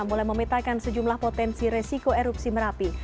mulai memetakan sejumlah potensi resiko erupsi merapi